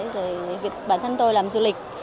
rồi bản thân tôi làm du lịch